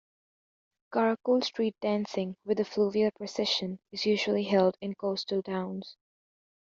"Karakol" street dancing with a fluvial procession is usually held in coastal towns.